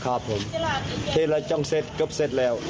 ครับผมเทแล้วจังเสร็จก็เสร็จแล้ว